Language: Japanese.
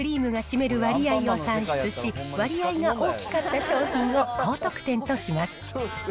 総重量からクリームが占める割合を算出し、割合が大きかった商品を高得点とします。